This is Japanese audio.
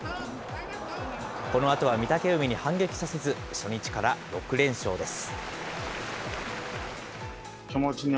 このあとは御嶽海に反撃させず、初日から６連勝です。